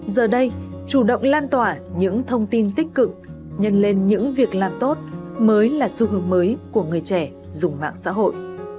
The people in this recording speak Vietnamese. giờ đây chủ động lan tỏa những thông tin tích cực nhân lên những việc làm tốt mới là xu hướng mới của người trẻ dùng mạng xã hội